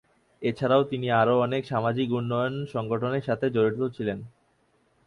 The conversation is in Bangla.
এছাড়াও তিনি আরো অনেক সামাজিক উন্নয়ন সংগঠনের সাথে জড়িত ছিলেন।